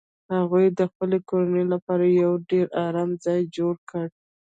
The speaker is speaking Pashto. هغه د خپلې کورنۍ لپاره یو ډیر ارام ځای جوړ کړ